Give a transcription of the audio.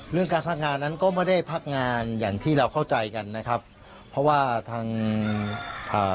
เรื่องการพักงานนั้นก็ไม่ได้พักงานอย่างที่เราเข้าใจกันนะครับเพราะว่าทางอ่า